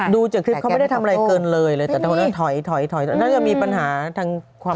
ดูจากคลิปเขาไม่ได้ทำอะไรเกินเลยเลยแต่ท้อยมีปัญหาทั้งความคิด